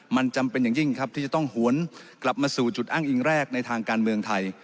มันจำเป็นอย่างยิ่งครับที่จะต้องหวนกลับมาสู่จุดอ้างอิงแรกในทางการเมืองไทย